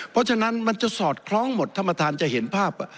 เพราะฉะนั้นมันจะสอดคล้องหมดท่านประธานจะเห็นภาพ